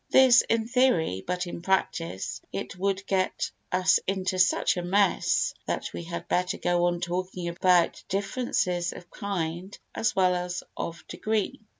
This in theory; but in practice it would get us into such a mess that we had better go on talking about differences of kind as well as of degree.